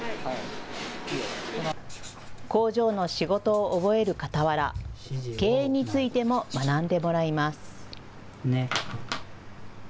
工場の仕事を覚えるかたわら経営についても学んでもらいます。